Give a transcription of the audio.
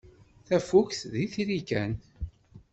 Tafukt d itri kan.